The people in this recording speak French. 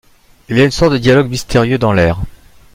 Il y a une sorte de dialogue mystérieux dans l’air.